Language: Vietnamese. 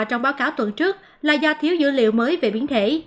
trong báo cáo tuần trước là do thiếu dữ liệu mới về biến thể